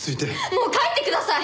もう帰ってください！